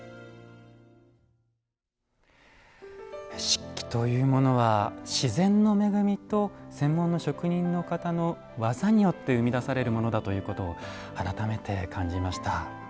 漆器というものは自然の恵みと専門の職人の方の技によって生み出されるものだということを改めて感じました。